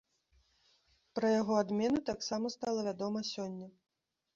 Пра яго адмену таксама стала вядома сёння.